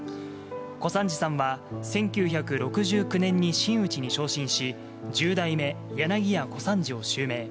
小三治さんは、１９６９年に真打ちに昇進し、１０代目柳家小三治を襲名。